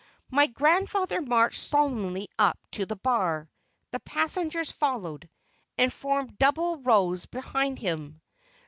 My grandfather marched solemnly up to the bar the passengers followed, and formed double rows behind him.